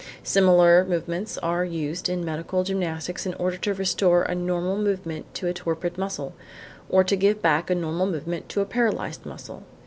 Similar movements are used in medical gymnastics in order to restore a normal movement to a torpid muscle or to give back a normal movement to a paralysed muscle.